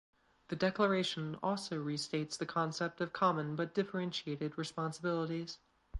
The Declaration also restates the concept of common but differentiated responsibilities.